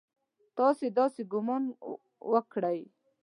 تاسې داسې ګومان وکړئ!